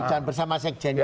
dan bersama sekjen